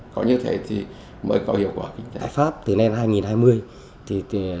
có như thế thì mới có hiệu quả kinh doanh